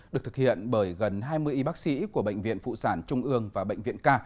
được thực hiện bởi gần hai mươi y bác sĩ của bệnh viện phụ sản trung ương và bệnh viện ca